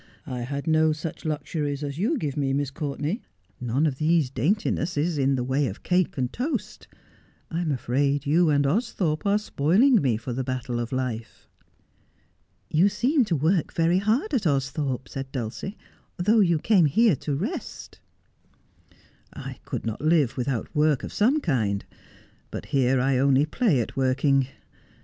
I had no such luxuries as you give me, Miss Courtenay, none of these daintinesses in the way of cake and toast. I am afraid you and Austhorpe are spoiling me for the battle of life.' 'You seem to work very hard at Austhorpe,' said Dulcie, ' though you came here to rest.' ' I could not live without work of some kind ; but here I only 260 Just as I Am play at working.